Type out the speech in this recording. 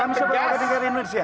kami sebagai kedengar indonesia